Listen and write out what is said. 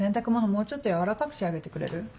もうちょっと柔らかく仕上げてくれる？